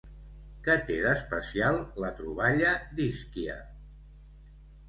Què té d'especial la troballa d'Ischia?